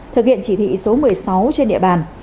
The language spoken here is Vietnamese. thực hiện chỉ thị số một mươi sáu trên địa bàn